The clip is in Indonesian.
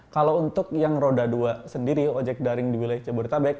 kalau untuk yang roda dua sendiri ojek daring di wilayah jabodetabek